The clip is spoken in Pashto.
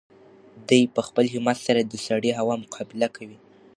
دی په خپل همت سره د سړې هوا مقابله کوي.